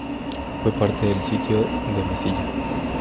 Fue parte del sitio de Massilia.